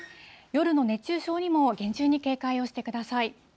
夜の熱中症にも厳重に警戒をしてください。